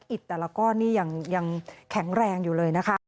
แต่ละก้อนนี่ยังแข็งแรงอยู่เลยนะคะ